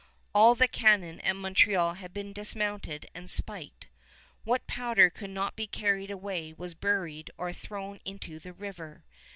All the cannon at Montreal had been dismounted and spiked. What powder could not be carried away was buried or thrown into the river.